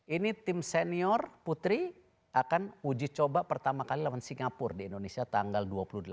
ini tim senior putri akan uji coba pertama kali lawan singapura di indonesia tanggal dua puluh delapan